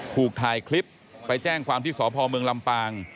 ถูกถ่ายคลิปไปแจ้งความที่สพเมืองลำปาง